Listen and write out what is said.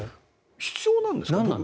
必要なんですか？